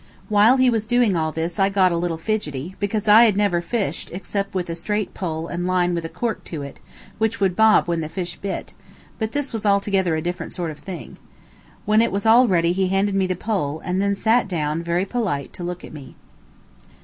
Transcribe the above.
While he was doing all this I got a little fidgety, because I had never fished except with a straight pole and line with a cork to it, which would bob when the fish bit; but this was altogether a different sort of a thing. When it was all ready he handed me the pole, and then sat down very polite to look at me.